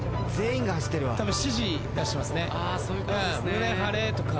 胸張れとか。